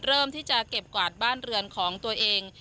เริ่มที่จะเก็บกวาดบ้านเรือนของตัวเอง